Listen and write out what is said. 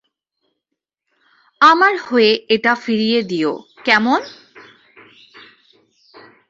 আমার হয়ে এটা ফিরিয়ে দিয়ো, কেমন?